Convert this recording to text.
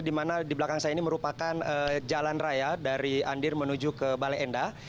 di mana di belakang saya ini merupakan jalan raya dari andir menuju ke bale endah